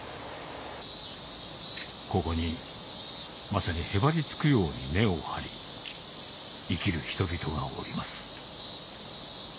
ここにまさにへばりつくように根を張り生きる人々がおります